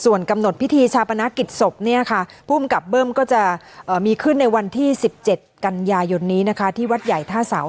ส่วนกำหนดพิธีชาปณะกิจศพผู้อำกับเบิ้มก็จะมีขึ้นในวันที่๑๗กันยายนที่วัดใหญ่ท่าเสา